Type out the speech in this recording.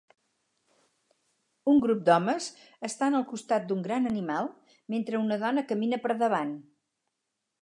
Un grup d'homes estan al costat d'un gran animal mentre una dona camina per davant.